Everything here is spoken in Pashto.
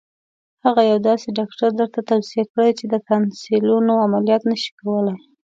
هغه یو داسې ډاکټر درته توصیه کړي چې د تانسیلونو عملیات نه شي کولای.